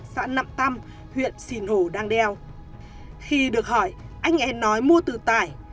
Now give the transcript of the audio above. xã nậm tâm huyện xìn hồ đang đeo khi được hỏi anh én nói mua từ trải